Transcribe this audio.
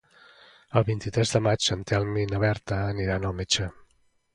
El vint-i-tres de maig en Telm i na Berta aniran al metge.